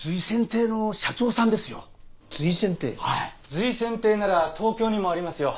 瑞泉亭なら東京にもありますよ。